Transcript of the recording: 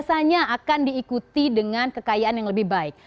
biasanya akan diikuti dengan kekayaan yang lebih baik